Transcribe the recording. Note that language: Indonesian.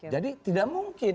jadi tidak mungkin